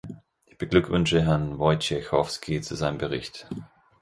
Ich beglückwünsche Herrn Wojciechowski zu seinem Bericht.